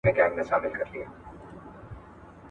ښوونه او روزنه باید عامه سي.